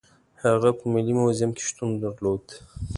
هغه په ملي موزیم کې شتون درلود.